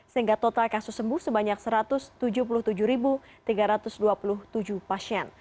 sehingga total kasus sembuh sebanyak satu ratus tujuh puluh tujuh tiga ratus dua puluh tujuh pasien